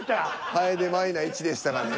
ハエでマイナ１でしたかね。